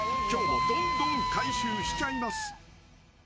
［今日もどんどん回収しちゃいます］